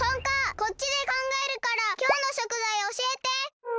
こっちでかんがえるからきょうの食材おしえて！